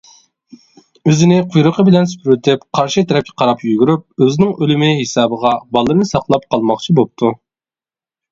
ئىزىنى قۇيرۇقى بىلەن سۈپۈرۈۋېتىپ، قارشى تەرەپكە قاراپ يۈگۈرۈپ، ئۆزىنىڭ ئۆلۈمى ھېسابىغا بالىلىرىنى ساقلاپ قالماقچى بوپتۇ.